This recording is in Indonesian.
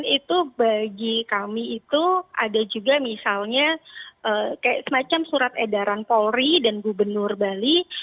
dan itu bagi kami itu ada juga misalnya semacam surat edaran polri dan gubernur bali